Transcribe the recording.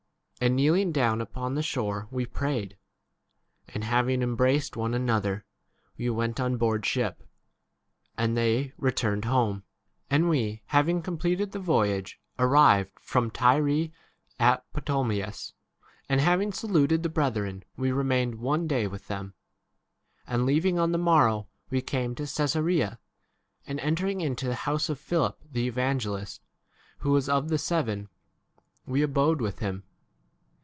And kneeling down upon the shore we 6 prayed. And having embraced one another, we went on board ship, 7 and they returned home. And we, having completed the voyage, arrived from Tyre at Ptolemais, and having saluted the brethren we remained one day with them. 8 And leaving on the morrow, k we came to Csesarea ; and entering into the house of Philip the evangelist, who was of the seven, we abode 9 with him.